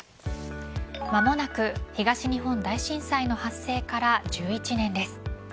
間もなく東日本大震災の発生から１１年です。